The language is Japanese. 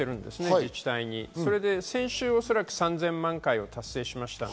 自治体に先週３０００万回を達成しました。